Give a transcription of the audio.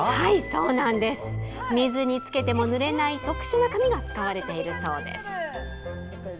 水につけてもぬれない特殊な紙が使われているんだそうです。